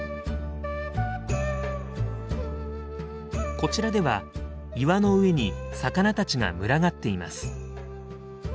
こちらでは岩の上に魚たちが群がっています。